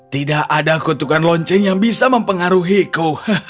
tidak ada kutukan lonceng yang bisa mempengaruhiku